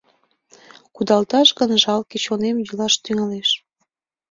Кудалташ гын, жалке, чонем йӱлаш тӱҥалеш